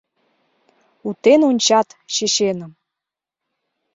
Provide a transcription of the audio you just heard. Утен ончат чеченым.